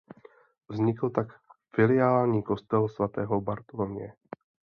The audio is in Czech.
Vznikl tak filiální kostel svatého Bartoloměje.